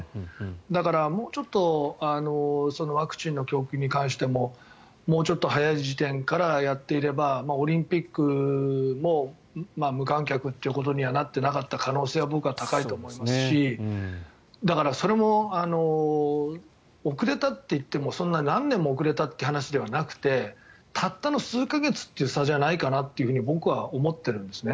だから、もうちょっとワクチンの供給に関してももうちょっと早い時点からやっていればオリンピックも無観客ということにはなっていなかった可能性は僕は高いと思いますしだからそれも、遅れたといってもそんな何年も遅れたという話じゃなくてたったの数か月という差じゃないかなと僕は思ってるんですね。